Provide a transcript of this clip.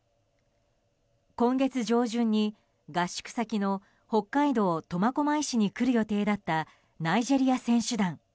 今月上旬に合宿先の北海道苫小牧市に来る予定だったナイジェリア選手団。